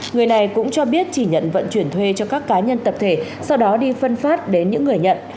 người này cũng cho biết chỉ nhận vận chuyển thuê cho các cá nhân tập thể sau đó đi phân phát đến những người nhận